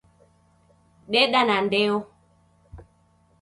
Deda na ndeo